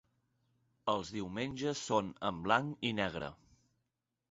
Els diumenges són en blanc i negre.